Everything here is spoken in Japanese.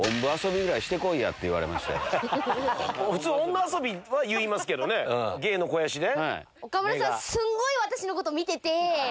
普通「女遊び」は言いますけどね芸の肥やしで。